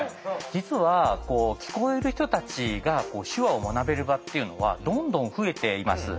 実は聞こえる人たちが手話を学べる場っていうのはどんどん増えています。